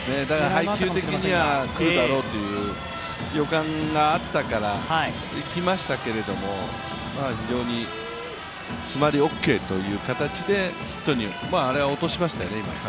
配球的にはくるだろうという予感があったからいきましたけれども、非常に詰まりオーケーという形でヒットに、あれは今、完全に落としましたよね